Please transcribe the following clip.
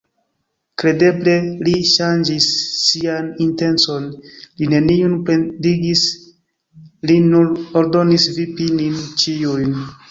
Kredeble, li ŝanĝis sian intencon, li neniun pendigis, li nur ordonis vipi nin ĉiujn.